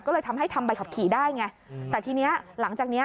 ก็เลยทำให้ทำใบขับขี่ได้ไงแต่ทีนี้หลังจากเนี้ย